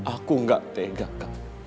aku gak tega kak